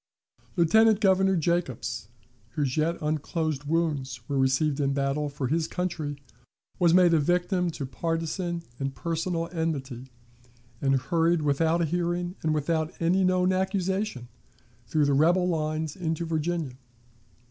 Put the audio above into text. "Lieutenant Governor Jacobs, whose yet unclosed wounds were received in battle for his country, was made a victim to partisan and personal enmity, and hurried without a hearing and without any known accusation through the rebel lines into Virginia.